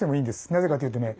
なぜかというとね